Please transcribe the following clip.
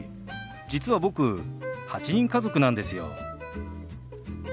実は僕８人家族なんですよ。